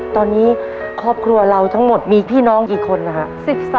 ตอนนี้ครอบครัวเราทั้งหมดมีพี่น้องกี่คนนะฮะ